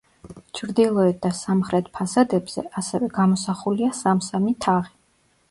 ჩრდილოეთ და სამხრეთ ფასადებზე, ასევე, გამოსახულია სამ-სამი თაღი.